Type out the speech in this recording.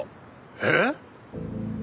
えっ！？